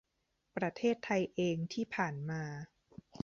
ประเทศไทยเองที่ผ่านมา